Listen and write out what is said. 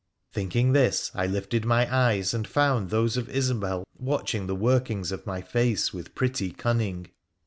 Thinking this, I lifted my eyes, and found those of Isobel watching the workings of my face with pretty cunning.